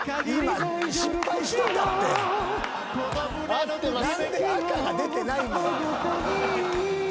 合ってます！